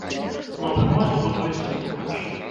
Новы мост будуецца побач.